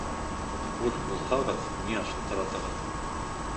Буш булһағыҙ, миңә шылтыратығыҙ